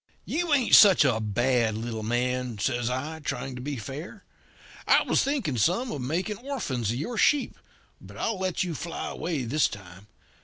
"'You ain't such a bad little man,' says I, trying to be fair. 'I was thinking some of making orphans of your sheep, but I'll let you fly away this time.